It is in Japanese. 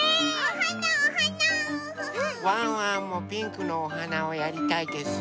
ワンワンもピンクのおはなをやりたいです。